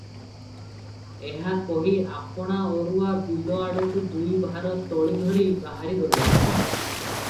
ଏହା କହି ଆପଣା ଅରୁଆ ବିଲ ଆଡ଼କୁ ଦୁଇ ଭାର ତଳି ଧରି ବାହାରି ଗଲେ ।